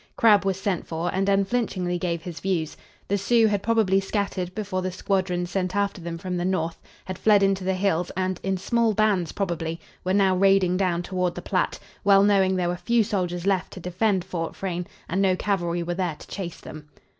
Crabb was sent for, and unflinchingly gave his views. The Sioux had probably scattered before the squadrons sent after them from the north; had fled into the hills and, in small bands probably, were now raiding down toward the Platte, well knowing there were few soldiers left to defend Fort Frayne, and no cavalry were there to chase them.